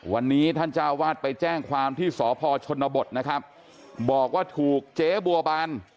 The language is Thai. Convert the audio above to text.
วันนี้ท่านเจ้าวาดไปแจ้งความที่สพชนบทนะครับบอกว่าถูกเจ๊บัวบาน